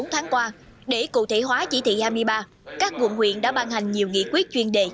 bốn tháng qua để cụ thể hóa chỉ thị hai mươi ba các vùng huyện đã ban hành nhiều nghị quyết chuyên đề